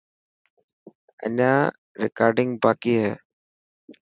اڄان رڪارڊنگ باڪي هي.